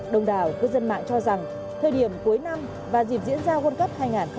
đồng đảo cư dân mạng cho rằng thời điểm cuối năm và dịp diễn ra world cup hai nghìn hai mươi bốn